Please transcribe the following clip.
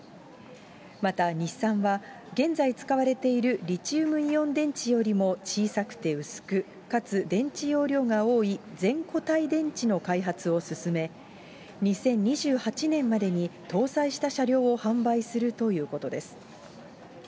また日産は、現在使われているリチウムイオン電池よりも小さくて薄く、かつ電池容量が多い全固体電池の開発を進め、２０２８年までに搭載した車両を販売するということです。